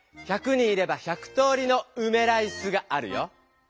１００人いれば１００通りの「うめラいス」があるよ。